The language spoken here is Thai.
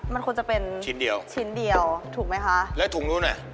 มันควรจะเป็นชิ้นเดียวถูกไหมคะแล้วถุงนู้นไหน